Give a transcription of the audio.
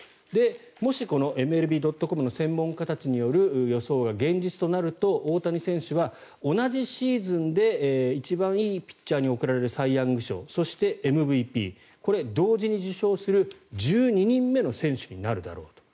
もし、このＭＬＢ．ｃｏｍの専門家たちによる予想が現実となると、大谷選手は同じシーズンで一番いいピッチャーに贈られるサイ・ヤング賞そして、ＭＶＰこれ、同時に受賞する１２人目の選手になるだろうと。